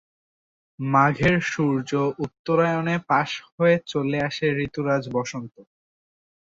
মাঘের সূর্য উত্তরায়নে পাশ হয়ে চলে আসে ঋতুরাজ বসন্ত।